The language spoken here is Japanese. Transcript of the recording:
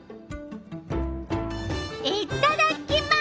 いっただきます！